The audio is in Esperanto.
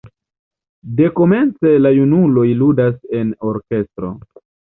Dekomence la junuloj ludas en orkestro.